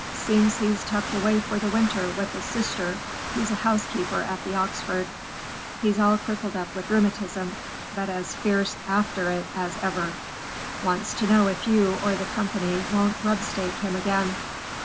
Seems he's tucked away for the winter with a sister who's a housekeeper at the Oxford. He's all crippled up with rheumatism, but as fierce after it as ever. Wants to know if you or the company won't grub stake him again.